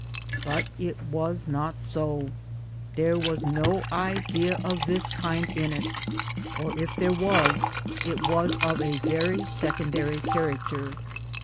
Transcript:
But it was not so. There was no idea of this kind in it, or if there was, it was of a very secondary character.